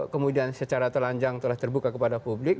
kemudian secara telanjang telah terbuka kepada publik